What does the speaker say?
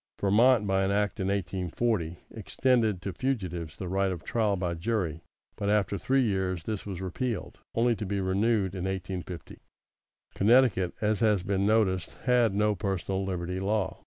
Vermont, by an act in 1840, extended to fugitives the right of trial by jury, but after three years this was repealed, only to be renewed in 1850. Connecticut, as has been noticed, had no personal liberty law.